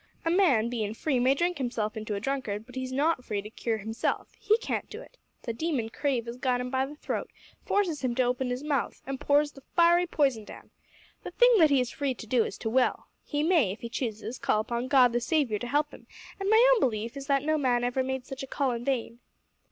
A man, bein' free, may drink himself into a drunkard, but he's not free to cure himself. He can't do it. The demon Crave has got him by the throat, forces him to open his mouth, and pours the fiery poison down. The thing that he is free to do is to will. He may, if he chooses, call upon God the Saviour to help him; an' my own belief is that no man ever made such a call in vain."